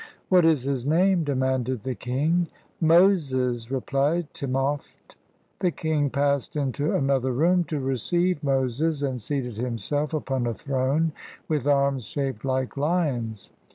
"What is his name?" demanded the king. "Moses," replied Timopht. The king passed into another room to receive Moses, and seated himself upon a throne with arms shaped like lions.